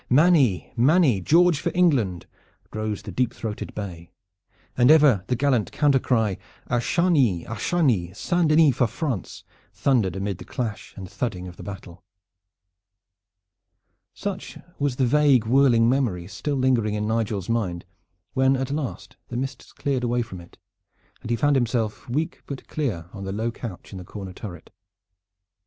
"Manny! Manny! George for England!" rose the deep throated bay, and ever the gallant counter cry: "A Chargny! A Chargny! Saint Denis for France!" thundered amid the clash and thudding of the battle. Such was the vague whirling memory still lingering in Nigel's mind when at last the mists cleared away from it and he found himself weak but clear on the low couch in the corner turret.